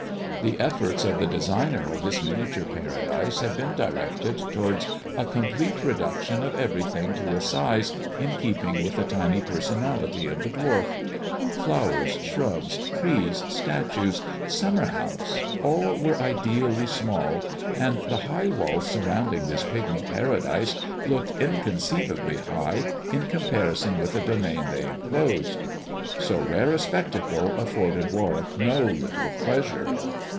The efforts of the designer of this miniature paradise had been directed towards a complete reduction of everything to a size in keeping with the tiny personality of the dwarf. Flowers, shrubs, trees, statues, summer house, all were ideally small, and the high walls surrounding this pigmy paradise looked inconceivably high in comparison with the domain they enclosed. So rare a spectacle afforded Warwick no little pleasure.